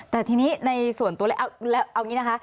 แต่ทีนี้ในส่วนตัวแล้วเอาอย่างนี้นะคะ